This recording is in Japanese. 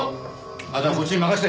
あとはこっちに任せて！